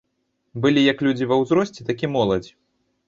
Былі як людзі ва ўзросце, так і моладзь.